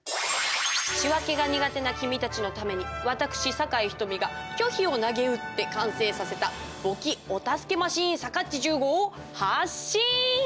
仕訳が苦手な君たちのために私酒井瞳が巨費をなげうって完成させた簿記お助けマシーンさかっち１０号発進！